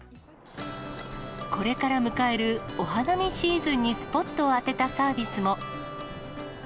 これから迎えるお花見シーズンにスポットを当てたサービスも。